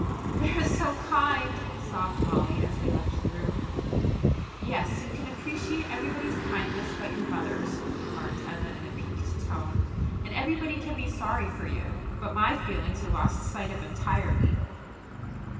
"They're so kind," sobbed Molly, as they left the room. "Yes, you can appreciate everybody's kindness but your mother's," remarked Enna in a piqued tone, "and everybody can be sorry for you, but my feelings are lost sight of entirely."